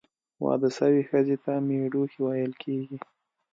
واده سوي ښځي ته، مړوښې ویل کیږي.